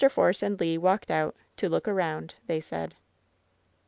Force and Le walked out "to look around," they said.